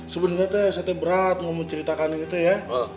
sebenernya sete berat mau menceritakan ini ya